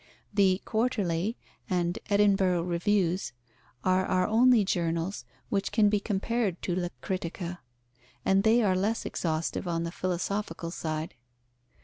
The Quarterly and Edinburgh Reviews are our only journals which can be compared to The Critica, and they are less exhaustive on the philosophical side.